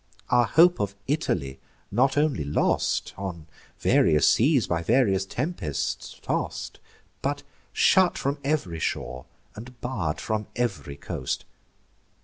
Our hope of Italy not only lost, On various seas by various tempests toss'd, But shut from ev'ry shore, and barr'd from ev'ry coast.